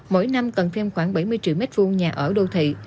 mỗi năm cần thêm khoảng bảy mươi triệu m hai nhà ở đô thị